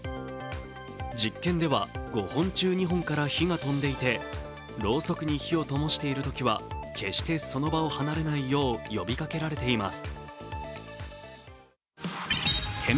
実験では５本中２本から火が飛んでいて、ろうそくに火をともしているときは決してその場を離れないよう呼びかけられています。